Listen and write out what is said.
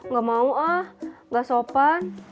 gak mau ah gak sopan